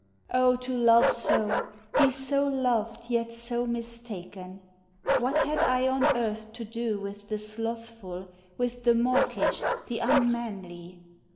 Oh to love so, be so loved, yet so mistaken ! What had I on earth to do With the slothful, with the mawkish, the un manlv?